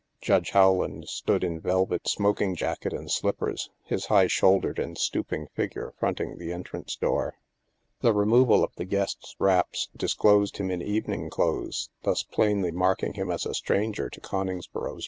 Judge Rowland stood in velvet smoking jacket and slip pers, his high shouldered and stooping figure front ing the entrance door. The removal of the guest's wraps disclosed him in evening clothes, thus plainly marking him as a stranger to Coningsboro's ways.